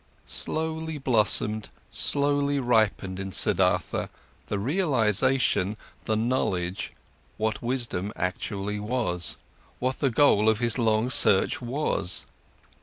Slowly blossomed, slowly ripened in Siddhartha the realisation, the knowledge, what wisdom actually was, what the goal of his long search was.